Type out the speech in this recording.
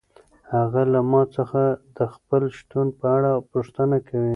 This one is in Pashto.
هغه له ما څخه د خپل شتون په اړه پوښتنه کوي.